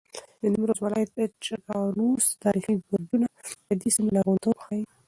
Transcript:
د نیمروز ولایت د چګانوس تاریخي برجونه د دې سیمې لرغونتوب ښیي.